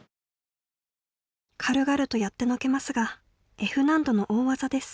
軽々とやってのけますがＦ難度の大技です。